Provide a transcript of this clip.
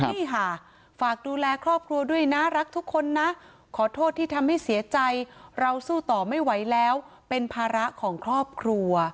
นี่ค่ะฝากดูแลครอบครัวด้วยนะรักทุกคนนะขอโทษที่ทำให้เสียใจเราสู้ต่อไม่ไหวแล้วเป็นภาระของครอบครัว